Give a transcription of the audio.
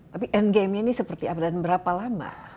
tapi endgame ini seperti apa dan berapa lama